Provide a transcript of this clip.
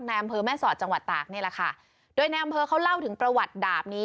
อำเภอแม่สอดจังหวัดตากนี่แหละค่ะโดยในอำเภอเขาเล่าถึงประวัติดาบนี้